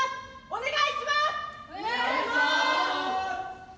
お願いします！